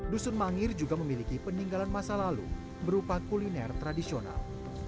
dusun mangir juga memiliki peninggalan masa lalu berupa kuliner tradisional